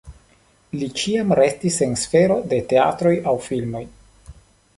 Li ĉiam restis en sfero de teatroj aŭ filmoj.